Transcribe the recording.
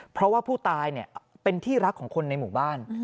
เพราะว่าผู้ตายเป็นที่รักของคนในหมู่บ้าน